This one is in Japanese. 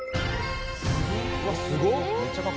うわすごっ！